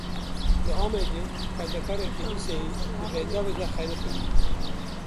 Li Amedê xwendekarekî lîseyê di bendavê de xeniqî.